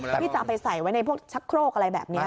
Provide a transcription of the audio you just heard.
ที่จะเอาไปใส่ไว้ในพวกชักโครกอะไรแบบนี้